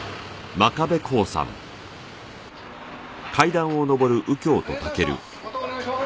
またお願いします。